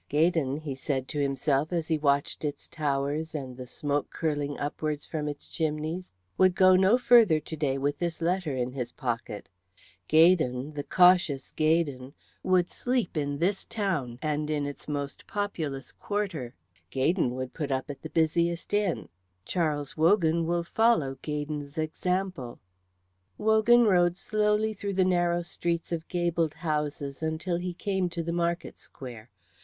"Gaydon," he said to himself as he watched its towers and the smoke curling upwards from its chimneys, "would go no further to day with this letter in his pocket. Gaydon the cautious Gaydon would sleep in this town and in its most populous quarter. Gaydon would put up at the busiest inn. Charles Wogan will follow Gaydon's example." Wogan rode slowly through the narrow streets of gabled houses until he came to the market square.